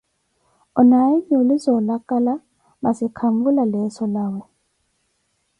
Onaawe nyuuli zoolakala, masi khanvula leeso lawe.